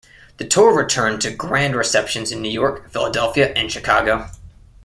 The tour returned to grand receptions in New York, Philadelphia, and Chicago.